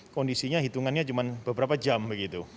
kondisinya hitungannya cuma beberapa jam begitu